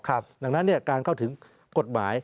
ดังนั้นการเข้าถึงกฎหมาย